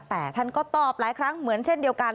แต่ท่านก็ตอบหลายครั้งเหมือนเช่นเดียวกัน